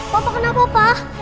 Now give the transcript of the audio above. papa kenapa pa